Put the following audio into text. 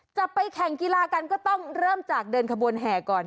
จะไปแข่งกีฬากันก็ต้องเริ่มจากเดินขบวนแห่ก่อน